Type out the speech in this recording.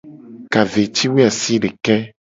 Ka ve ci woe asideke.